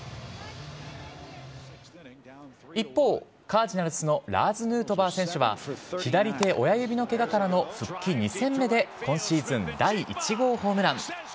一方、カージナルスのラーズ・ヌートバー選手は、左手親指のけがの復帰２戦目で今シーズン第１号ホームラン。